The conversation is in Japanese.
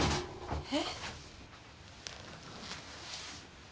えっ？